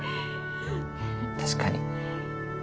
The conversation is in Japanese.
確かに。